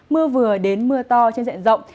mưa vừa đến mưa to trên dạng rộng